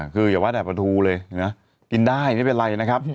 คืออย่าว่าแต่ปลาทูเลยนะกินได้ไม่เป็นไรนะครับ